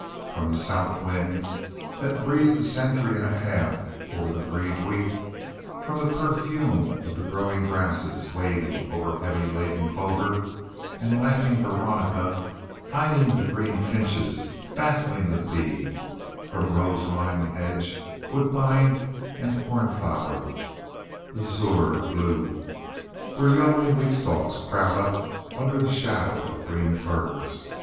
From the south wind that breathed a century and a half over the green wheat; from the perfume of the growing grasses waving over heavy laden clover and laughing veronica, hiding the green finches, baffling the bee; from rose lined hedge, woodbine, and cornflower, azure blue, where yellowing wheat stalks crowd up under the shadow of green firs.